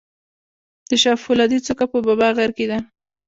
د شاه فولادي څوکه په بابا غر کې ده